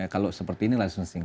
kalau seperti ini licensing